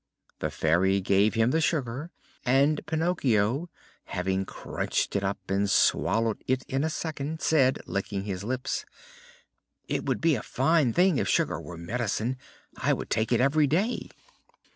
The Fairy gave him the sugar and Pinocchio, having crunched it up and swallowed it in a second, said, licking his lips: "It would be a fine thing if sugar were medicine! I would take it every day."